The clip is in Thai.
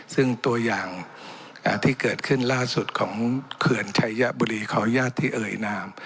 ซึ่งตัวอย่างที่เกิดขึ้นล่าสุดของเขื่อนชัยบุรีขออนุญาตที่เอ่ยนาม